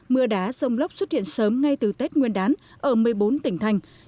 mưa đá rông lốc xuất hiện sớm ngay từ tết nguyên đán ở một mươi bốn tỉnh thành